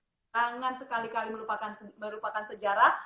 jangan sekali kali merupakan sejarah